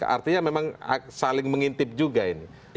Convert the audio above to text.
artinya memang saling mengintip juga ini